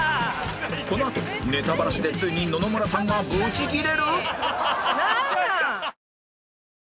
このあとネタバラシでついに野々村さんがブチギレる！？